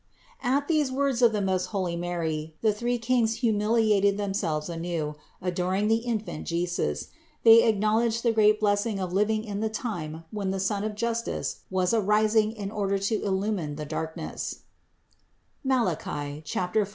561. At these words of most holy Mary the three kings humiliated themselves anew, adoring the infant Jesus ; they acknowledged the great blessings of living in the time when the Sun of justice was arising in order to illumine the darkness (Malachy 4, 2).